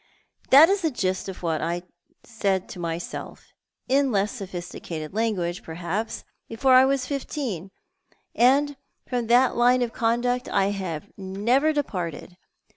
That is the gist of what I said to myself, in less sophisticated language, perhaps, before I was fifteen, and from that line of conduct I have never departed.